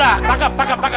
ah takap lu takap lu